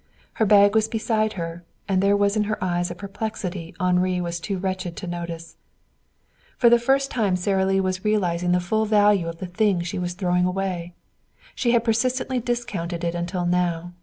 Her bag was beside her, and there was in her eyes a perplexity Henri was too wretched to notice. For the first time Sara Lee was realizing the full value of the thing she was throwing away. She had persistently discounted it until now.